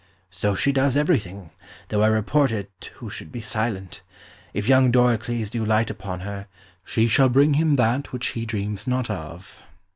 "So she does everything, though I report it who should be silent. If young Doricles do light upon her, she shall bring him that which he dreams not of."